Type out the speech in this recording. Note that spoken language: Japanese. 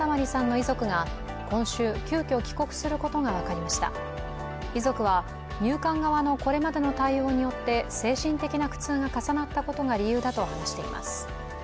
遺族は、入管側のこれまでの対応によって精神的な苦痛が重なったことが理由だと話しています。